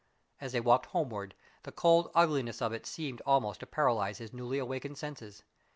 As they walked homeward, the cold ugliness of it all seemed almost to paralyze his newly awakened senses.